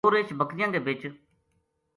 دو رچھ بکریاں کے بچ